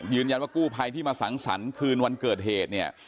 ยืนยันว่ากู้ภัยที่มาสังสรรค์คืนวันเกิดเหตุ